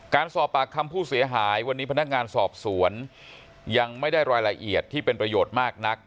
การสอบปากคำผู้เสียหายวันนี้พนักงานสอบสวนยังไม่ได้รายละเอียดที่เป็นประโยชน์มากนัก